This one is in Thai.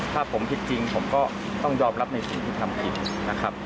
ถ้าผมผิดจริงผมก็ต้องยอมรับในความยุติธรรมผิดนะครับ